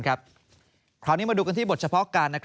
คราวนี้มาดูกันที่บทเฉพาะการ